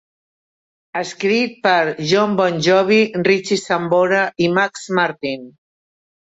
Escrit per Jon Bon Jovi, Richie Sambora i Max Martin.